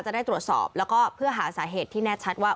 จะได้ตรวจสอบแล้วก็เพื่อหาสาเหตุที่แน่ชัดว่า